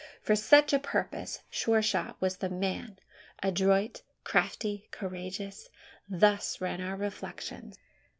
For such a purpose, Sure shot was the man adroit, crafty, courageous. Thus ran our reflections.